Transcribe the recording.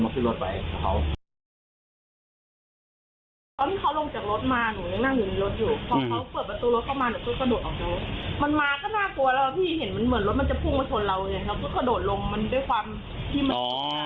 เหมือนรถมันจะพุ่งมาชนเราอย่างเะ